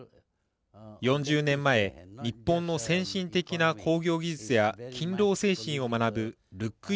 ４０年前、日本の先進的な工業技術や勤労精神を学ぶルック